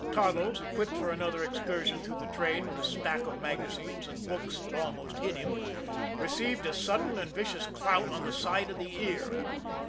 Toddles, equipped for another excursion through the train with a stack of magazines and books that almost hid him, received a sudden and vicious clout on the side of the ear.